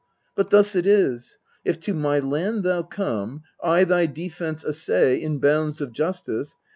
But thus it is if to my land thou come, I thy defence essay, in bounds of justice.